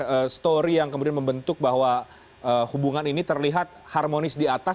ada story yang kemudian membentuk bahwa hubungan ini terlihat harmonis di atas